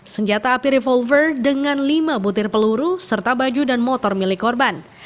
senjata api revolver dengan lima butir peluru serta baju dan motor milik korban